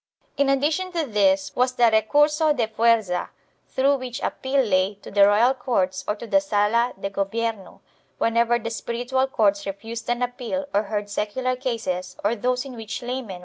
4 In addition to this was the recurso de fuerza through which appeal lay to the royal courts or to the Sola de Gobierno whenever the spiritual courts refused an appeal or heard secular cases or those in which lavmen were concerned.